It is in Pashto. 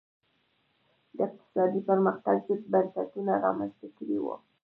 د اقتصادي پرمختګ ضد بنسټونه رامنځته کړي وو.